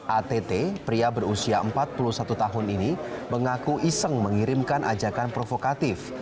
att pria berusia empat puluh satu tahun ini mengaku iseng mengirimkan ajakan provokatif